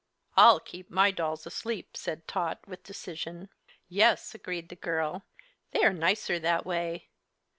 "I'll keep my dolls asleep," said Tot, with decision. "Yes," agreed the girl, "they are nicer that way.